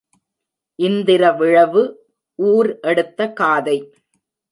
இந்திரவிழவு ஊர் எடுத்த காதை.